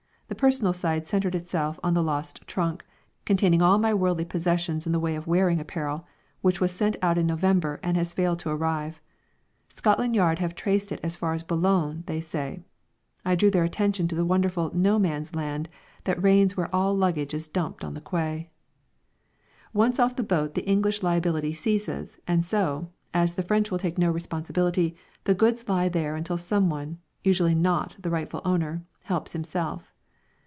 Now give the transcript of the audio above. The personal side centred itself on the lost trunk, containing all my worldly possessions in the way of wearing apparel, which was sent out in November and has failed to arrive. Scotland Yard have traced it as far as Boulogne, they say. I drew their attention to the wonderful No Man's Land that reigns where all luggage is dumped on the quay. Once off the boat the English liability ceases, and so, as the French will take no responsibility, the goods lie there until someone, usually not the rightful owner, helps himself.